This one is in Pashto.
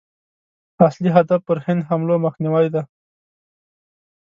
اصلي هدف پر هند حملو مخنیوی دی.